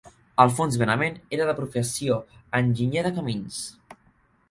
Alfons Benavent era de professió enginyer de camins.